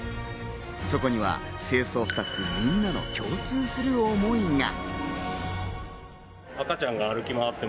そこには清掃スタッフみんなの共通する思いが。